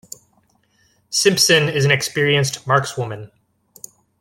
Simpson is an experienced markswoman.